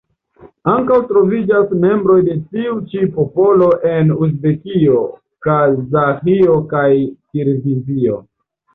Ankaŭ troviĝas membroj de tiu ĉi popolo en Uzbekio, Kazaĥio kaj Kirgizio.